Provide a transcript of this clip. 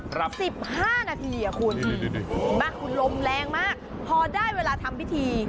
ครับดูดิคุณลมแรงมากพอได้เวลาทำพิธี